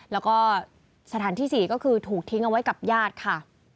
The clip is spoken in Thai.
แล้วก็สถานที่๔ก็คือถูกทิ้งเอาไว้กับญาติค่ะ